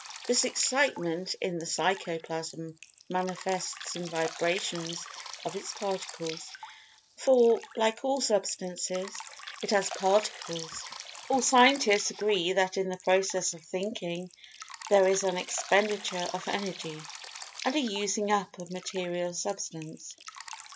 This Excitement in the Psychoplasm manifests in vibrations of its particles—for, like all Substance, it has "particles." All scientists agree that in the process of thinking there is an expenditure of Energy, and a "using up" of material Substance.